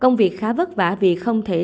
công việc khá vất vả vì không thể giao hàng